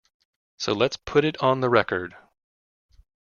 So let's put it on the record.